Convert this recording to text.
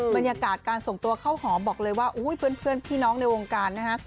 บรรยากาศการส่งตัวเข้าหอมบอกเลยว่าเพื่อนพี่น้องในวงการนะฮะ